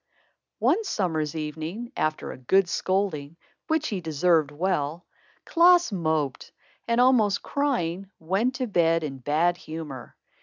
One summer's evening, after a good scolding, which he deserved well, Klaas moped and, almost crying, went to bed in bad humor.